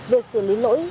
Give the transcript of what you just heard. việc xử lý lỗi